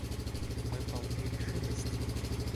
Мы полны решимости.